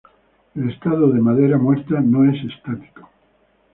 El estado de "madera muerta" no es estático.